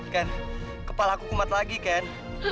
ken kepala aku kumat lagi ken